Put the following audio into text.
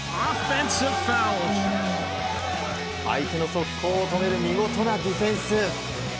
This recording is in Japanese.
相手の速攻を止める見事なディフェンス。